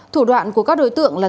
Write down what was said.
thủ đoạn của các đối tượng là